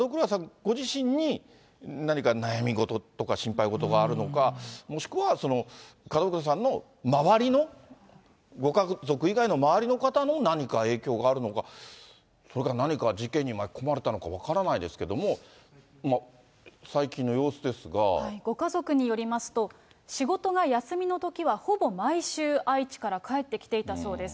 ご自身に何か悩み事とか心配事があるのか、もしくは、門倉さんの周りの、ご家族以外の周りの方の何か影響があるのか、それから何か事件に巻き込まれたのか分からないですけれども、最ご家族によりますと、仕事が休みのときはほぼ毎週、愛知から帰ってきていたそうです。